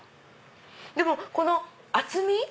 でもこの厚み。